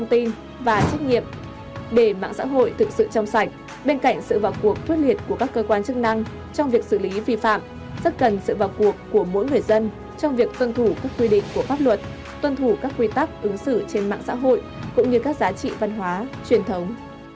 tuân thủ các quy tắc ứng xử trên mạng xã hội cũng như các giá trị văn hóa truyền thống